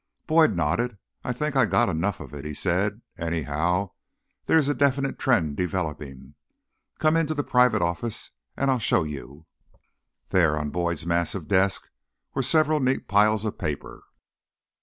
Boyd nodded. "I think I got enough of it," he said. "Anyhow, there is a definite trend developing. Come on into the private office, and I'll show you." There, on Boyd's massive desk, were several neat piles of paper.